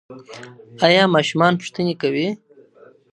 ایا ماشومان پوښتني کوي؟